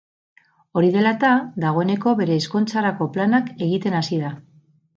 Hori dela eta, dagoeneko bere ezkontzarako planak egiten hasi da.